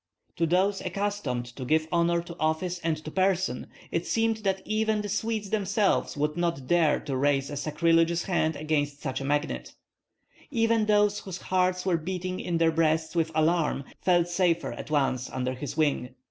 To those accustomed to give honor to office and to person it seemed that even the Swedes themselves would not dare to raise a sacrilegious hand against such a magnate. Even those whose hearts were beating in their breasts with alarm felt safer at once under his wing.